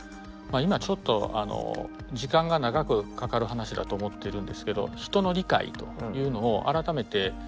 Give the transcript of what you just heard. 今ちょっと時間が長くかかる話だと思ってるんですけど人の理解というのを改めて。